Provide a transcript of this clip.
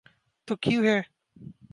تو کیوں ہے؟